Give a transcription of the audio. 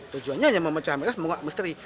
tujuannya hanya memecah mitos menguak misteri